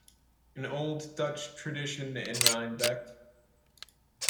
An Old Dutch Tradition in Rhinebeck.